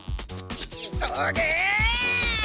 急げ！